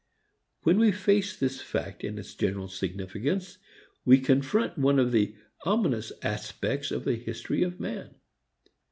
When we face this fact in its general significance, we confront one of the ominous aspects of the history of man.